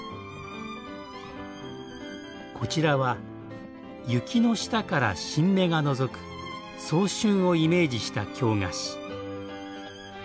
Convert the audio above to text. こちらは雪の下から新芽がのぞく早春をイメージした京菓子。